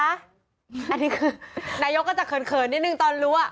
อันนี้คือนายกก็จะเขินนิดนึงตอนรู้